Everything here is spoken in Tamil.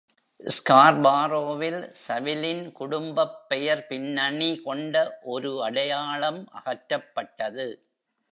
ஸ்கார்பாரோவில் சவிலின் குடும்பப் பெயர் பின்னணி கொண்ட ஒரு அடையாளம் அகற்றப்பட்டது.